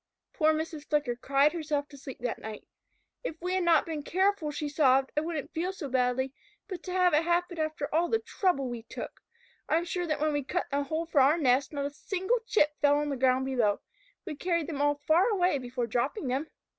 Poor Mrs. Flicker cried herself to sleep that night. "If we had not been careful," she sobbed, "I wouldn't feel so badly, but to have it happen after all the trouble we took! I am sure that when we cut the hole for our nest, not a single chip fell to the ground below. We carried them all far away before dropping them.